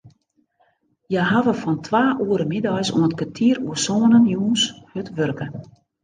Hja hawwe fan twa oere middeis oant kertier oer sânen jûns hurd wurke.